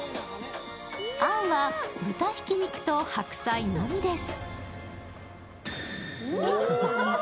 あんは豚ひき肉と白菜のみです。